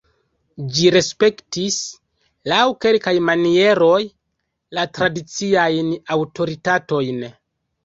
Ĝi respektis, laŭ kelkaj manieroj, la tradiciajn aŭtoritatojn.